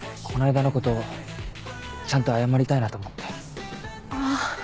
この間のことちゃんと謝りたいなと思って。